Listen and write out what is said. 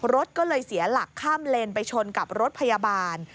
รถก็เลยเสียหลักข้ามเลนไปชนกับรถพยาบาล